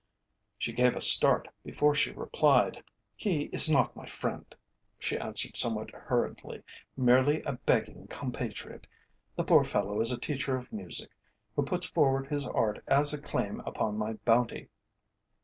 She gave a start before she replied. "He is not my friend," she answered somewhat hurriedly, "merely a begging compatriot. The poor fellow is a teacher of music, who puts forward his art as a claim upon my bounty.